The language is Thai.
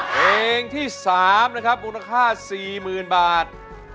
เพลงที่สามมูลค่า๔๐๐๐๐บาท